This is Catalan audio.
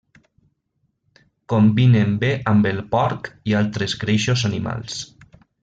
Combinen bé amb el porc i altres greixos animals.